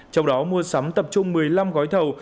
trong đó mua sắm tập trung một mươi năm gói thầu